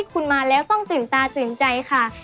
คุณมาแล้วต้องตื่นตาตื่นใจค่ะ